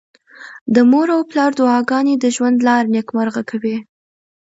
د مور او پلار دعاګانې د ژوند لاره نېکمرغه کوي.